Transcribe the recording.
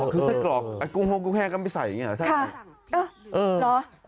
คือไส้กรอกกุ้งแห้งก็ไม่ไปใส่อย่างนี้เหรอ